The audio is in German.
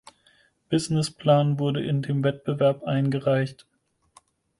Businessplan wurde in dem Wettbewerb eingereicht.